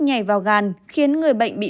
nhảy vào gan khiến người bệnh bị